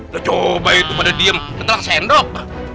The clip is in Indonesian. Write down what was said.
do coba itu padadi m ntar sendok